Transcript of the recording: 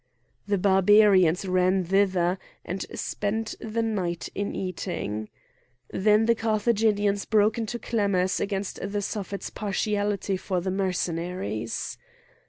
The Barbarians ran thither and spent the night in eating. Then the Carthaginians broke into clamours against the Suffet's partiality for the Mercenaries.